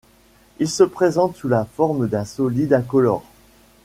Il se présente sous la forme d'un solide incolore.